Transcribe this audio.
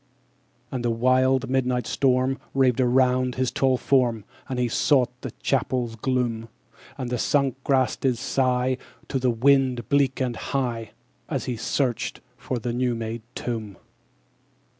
11. And the wild midnight storm Raved around his tall form, _60 As he sought the chapel's gloom: And the sunk grass did sigh To the wind, bleak and high, As he searched for the new made tomb.